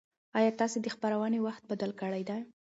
ایا تاسي د خپرونې وخت بدل کړی دی؟